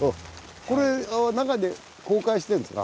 これ中で公開してんですか？